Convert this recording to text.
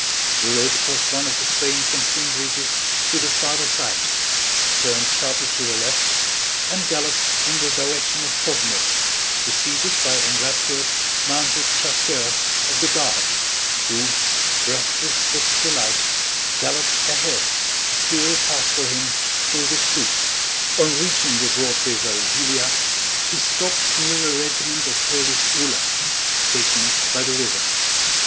He rode across one of the swaying pontoon bridges to the farther side, turned sharply to the left, and galloped in the direction of Kóvno, preceded by enraptured, mounted chasseurs of the Guard who, breathless with delight, galloped ahead to clear a path for him through the troops. On reaching the broad river Víliya, he stopped near a regiment of Polish Uhlans stationed by the river.